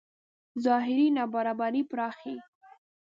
ظاهري نابرابرۍ پراخېږي.